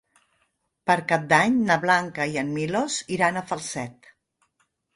Per Cap d'Any na Blanca i en Milos iran a Falset.